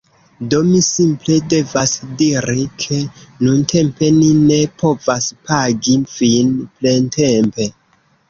Do, mi simple devas diri, ke nuntempe ni ne povas pagi vin plentempe